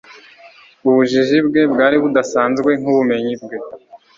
ubujiji bwe bwari budasanzwe nk'ubumenyi bwe